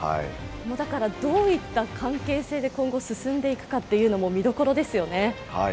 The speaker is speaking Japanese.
どういった関係性で今後、進んでいくかも見どころですよね。